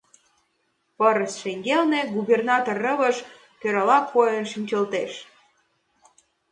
Пырыс шеҥгелне губернатор Рывыж тӧрала койын шинчылтеш...